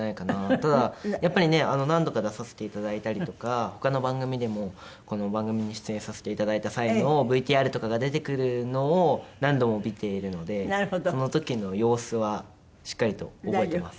ただやっぱりね何度か出させていただいたりとか他の番組でもこの番組に出演させていただいた際のＶＴＲとかが出てくるのを何度も見ているのでその時の様子はしっかりと覚えてます。